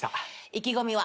意気込みは？